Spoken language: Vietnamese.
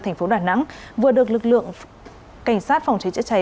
thành phố đà nẵng vừa được lực lượng cảnh sát phòng chế chất cháy